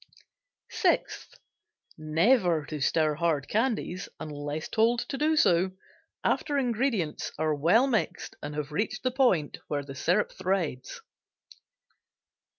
SIXTH. Never to stir hard candies (unless told to do so) after ingredients are well mixed and have reached the point where the syrup "threads."